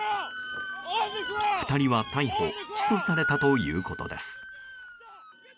２人は逮捕・起訴されたということです。